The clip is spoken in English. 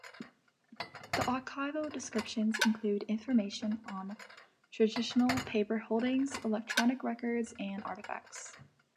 The archival descriptions include information on traditional paper holdings, electronic records, and artifacts.